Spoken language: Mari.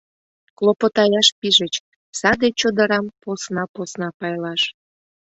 Клопотаяш пижыч: саде чодырам посна-посна пайлаш.